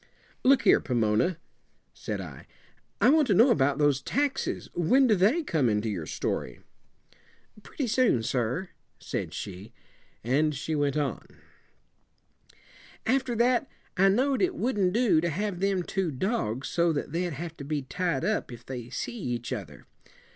"Look here, Pomona," said I, "I want to know about those taxes. When do they come into your story?" "Pretty soon, sir," said she, and she went on: "After that, I know'd it wouldn't do to have them two dogs so that they'd have to be tied up if they see each other.